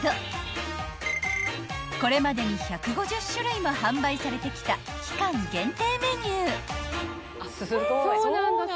［これまでに１５０種類も販売されてきた期間限定メニュー］